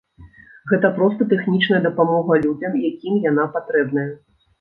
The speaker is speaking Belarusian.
Гэта проста тэхнічная дапамога людзям, якім яна патрэбная.